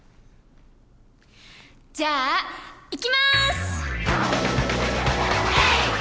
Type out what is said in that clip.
じゃあいきます！